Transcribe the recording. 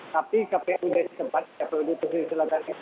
tapi kpud sempat kpud tuhun selatan ini